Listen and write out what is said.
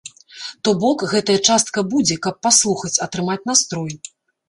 То бок, гэтая частка будзе, каб паслухаць, атрымаць настрой.